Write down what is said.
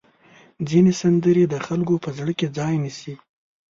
ځینې سندرې د خلکو په زړه کې ځای نیسي.